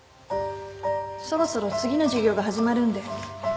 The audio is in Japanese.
そろそろ次の授業が始まるんで。